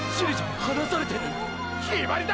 決まりだ！！